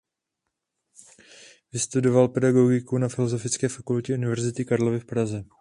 Vystudoval pedagogiku na Filozofické fakultě Univerzity Karlovy v Praze.